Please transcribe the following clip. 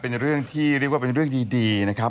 เป็นเรื่องที่เรียกว่าเป็นเรื่องดีนะครับ